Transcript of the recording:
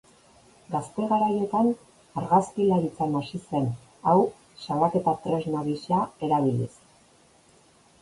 Gazte garaietan argazkilaritzan hasi zen hau salaketa tresna gisa erabiliz.